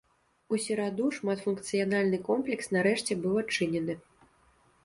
У сераду шматфункцыянальны комплекс нарэшце быў адчынены.